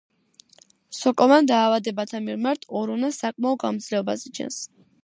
სოკოვან დაავადებათა მიმართ ორონა საკმაო გამძლეობას იჩენს.